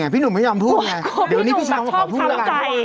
พี่หนุ่มไม่ยอมพูดไง